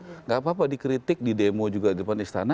tidak apa apa dikritik di demo juga di depan istana